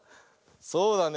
そうだね。